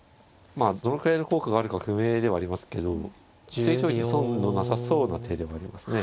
まあどのくらいの効果があるか不明ではありますけど突いといて損のなさそうな手ではありますね。